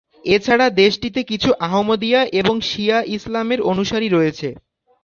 এছাড়া দেশটিতে কিছু আহমদিয়া এবং শিয়া ইসলামের অনুসারী রয়েছে।